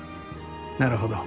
なるほど。